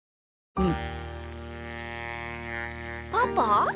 うん。